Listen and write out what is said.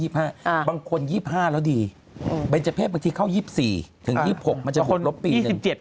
บางคน๒๕แล้วดีเบรจเภสบางทีเข้า๒๔ถึง๒๖มันจะลบปีหนึ่ง